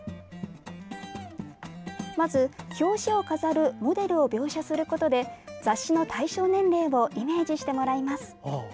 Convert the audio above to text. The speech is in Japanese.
まず、表紙を飾るモデルを描写することで雑誌の対象年齢をイメージしてもらいます。